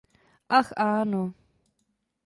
Ach áno!